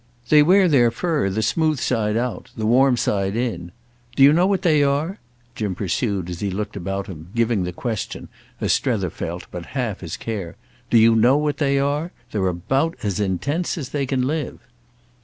They wear their fur the smooth side out—the warm side in. Do you know what they are?" Jim pursued as he looked about him, giving the question, as Strether felt, but half his care—"do you know what they are? They're about as intense as they can live."